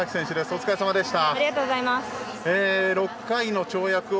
お疲れさまでした。